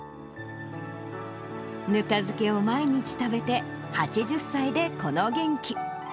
ぬか漬けを毎日食べて、８０歳でこの元気。